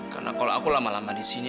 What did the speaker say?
karena kalau aku lama lama disini